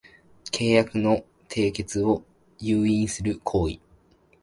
契約の締結を誘引する行為